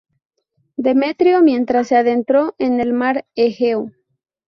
Demetrio mientras se adentró en el Mar Egeo.